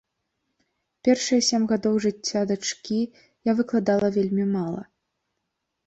Першыя сем гадоў жыцця дачкі я выкладала вельмі мала.